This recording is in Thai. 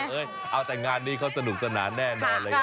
เอาแต่งงานนี้เขาสนุกสนานแน่นอนเลย